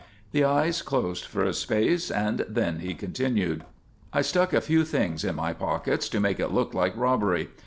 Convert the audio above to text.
The eyes closed for a space, and then he continued: "I stuck a few things in my pockets to make it look like robbery.